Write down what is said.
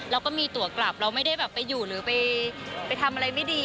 เราก็มีตัวกลับเราไม่ได้แบบไปอยู่หรือไปทำอะไรไม่ดี